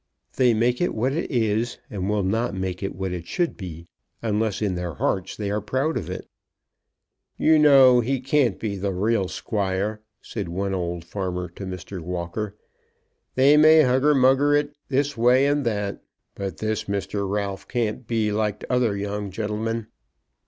They make it what it is, and will not make it what it should be, unless in their hearts they are proud of it. "You know he can't be the real squire," said one old farmer to Mr. Walker. "They may hugger mugger it this way and that; but this Mr. Ralph can't be like t'other young gentleman."